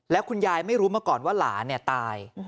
แล้วคุณยายไม่รู้มาก่อนว่าหลานตาย